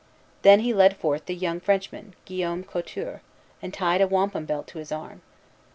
Then he led forth the young Frenchman, Guillaume Couture, and tied a wampum belt to his arm.